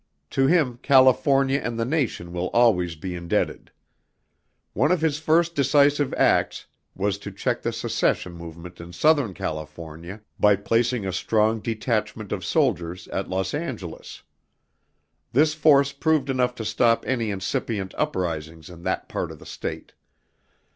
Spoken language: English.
To him, California and the nation will always be indebted. One of his first decisive acts was to check the secession movement in Southern California by placing a strong detachment of soldiers at Los Angeles. This force proved enough to stop any incipient uprisings in that part of the state.